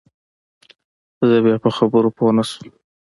زه بيا په نورو پوه نسوم.